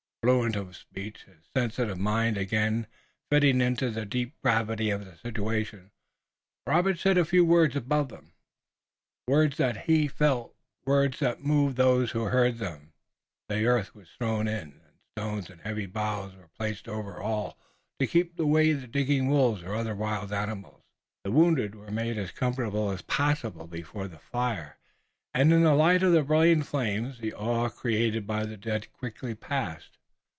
Fluent of speech, his sensitive mind again fitting into the deep gravity of the situation, Robert said a few words above them, words that he felt, words that moved those who heard. Then the earth was thrown in and stones and heavy boughs were placed over all to keep away the digging wolves or other wild animals. The wounded were made as comfortable as possible before the fire, and in the light of the brilliant flames the awe created by the dead quickly passed.